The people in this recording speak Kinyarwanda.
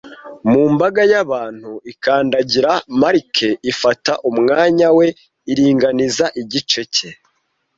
Mu mbaga y'abantu ikandagira marike, ifata umwanya we, iringaniza igice cye;